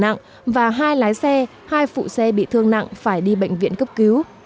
hậu quả hai chiếc xe ô tô bị hư hỏng và hai lái xe hai phụ xe bị thương nặng phải đi bệnh viện cấp cứu